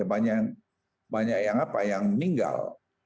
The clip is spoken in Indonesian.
banyak yang apa yang meninggal